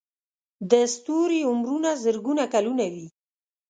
د ستوري عمرونه زرګونه کلونه وي.